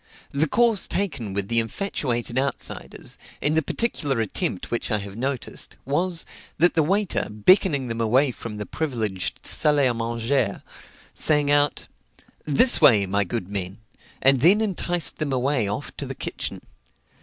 The course taken with the infatuated outsiders, in the particular attempt which I have noticed, was, that the waiter, beckoning them away from the privileged salle à manger, sang out, "This way, my good men;" and then enticed them away off to the kitchen.